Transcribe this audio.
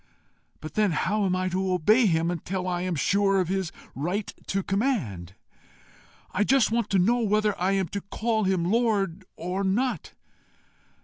But then how am I to obey him until I am sure of his right to command? I just want to know whether I am to call him Lord or not.